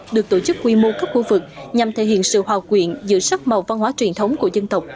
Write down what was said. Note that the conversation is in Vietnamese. được tổ chức quy mô các khu vực nhằm thể hiện sự hòa quyện giữa sắc màu văn hóa truyền thống của dân tộc